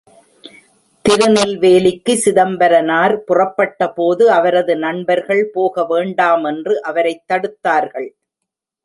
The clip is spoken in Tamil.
திருநெல்வேலிக்கு சிதம்பரனார் புறப்பட்டபோது அவரது நண்பர்கள் போக வேண்டாம் என்று அவரைத் தடுத்தார்கள்.